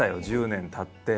１０年たって。